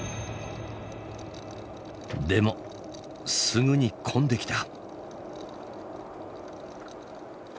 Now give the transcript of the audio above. でもすぐに混んできた。